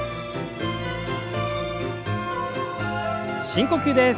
深呼吸です。